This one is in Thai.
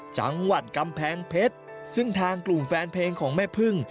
จังหวัดกำแพงเพชรซึ่งทางกลุ่มแฟนเพลงของแม่พึ่ง